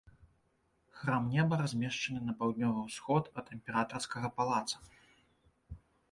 Храм неба размешчаны на паўднёвы ўсход ад імператарскага палаца.